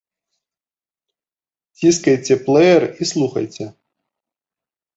Ціскайце плэер і слухайце.